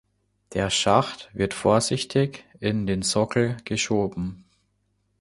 Der Schacht wird vorsichtig in den Sockel geschoben.